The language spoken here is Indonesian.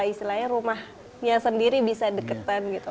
istilahnya rumahnya sendiri bisa deketan gitu